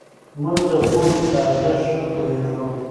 موږ د پوهې په ارزښت ښه پوهېږو.